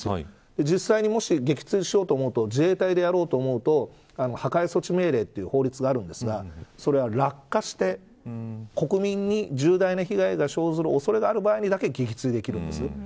実際に、もし撃墜しようと思うと自衛隊でやろうと思うと破壊措置命令という法律があるんですがそれが落下して国民に重大な被害が生ずるおそれがある場合にだけ撃墜できるんです。